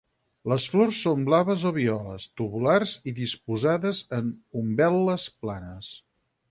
Les flors són blaves o violes, tubulars i disposades en umbel·les planes.